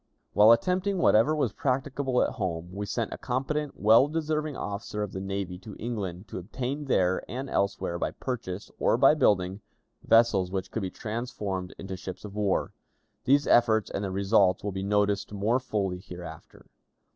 While attempting whatever was practicable at home, we sent a competent, well deserving officer of the navy to England to obtain there and elsewhere, by purchase or by building, vessels which could be transformed into ships of war. These efforts and their results will be noticed more fully hereafter.